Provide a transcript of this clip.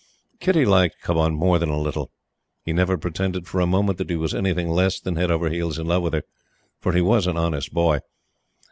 Kitty liked Cubbon more than a little. He never pretended for a moment the he was anything less than head over heels in love with her; for he was an honest boy.